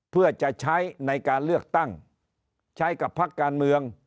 เพื่อจะใช้ในการเลือกตั้งใช้กับพักการเมือง